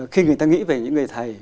khi người ta nghĩ về những người thầy